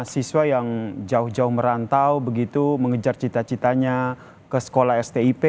siswa yang jauh jauh merantau begitu mengejar cita citanya ke sekolah stip